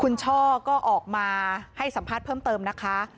คุณช่อก็ออกมาให้สัมภาษณ์เพิ่มเติมนะคะ